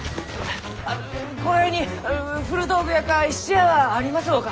あのこの辺に古道具屋か質屋はありますろうか？